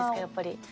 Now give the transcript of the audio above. やっぱり。